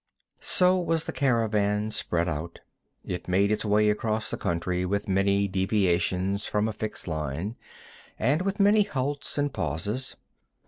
So was the caravan spread out. It made its way across the country with many deviations from a fixed line, and with many halts and pauses.